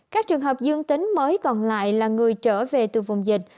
các trường hợp dương tính mới còn lại là người trở về từ vùng dịch